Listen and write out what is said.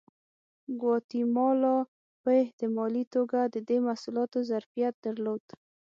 ګواتیمالا په احتمالي توګه د دې محصولاتو ظرفیت درلود.